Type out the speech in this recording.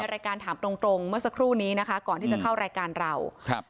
รายการถามตรงตรงเมื่อสักครู่นี้นะคะก่อนที่จะเข้ารายการเราครับ